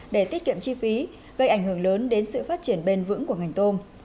để tiết kiệm chi phí gây ảnh hưởng lớn đến sự phát triển bền vững của ngành tôm